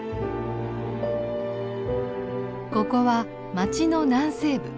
ここは町の南西部。